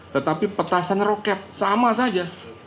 tetapi petasan roket sama saja